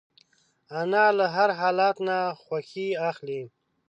انا له هر حالت نه خوښي اخلي